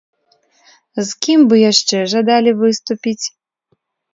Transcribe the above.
З кім бы яшчэ жадалі выступіць?